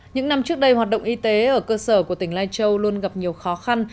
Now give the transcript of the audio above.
những năm trước đây hoạt động y tế ở cơ sở của tỉnh lai châu luôn gặp nhiều khó khăn